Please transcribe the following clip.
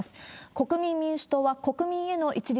国民民主党は、国民への一律